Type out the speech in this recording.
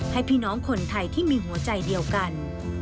ให้พี่น้องคนไทยที่มีหัวใจเดียวกัน